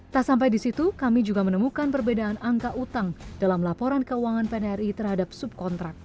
tak sampai di situ kami juga menemukan perbedaan angka utang dalam laporan keuangan pnri terhadap subkontrak